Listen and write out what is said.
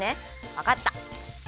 わかった！